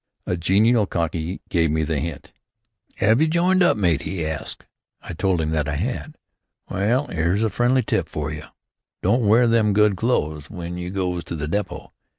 A genial Cockney gave me the hint. "'Ave you joined up, matey?" he asked. I told him that I had. "Well, 'ere's a friendly tip for you. Don't wear them good clo'es w'en you goes to the depot.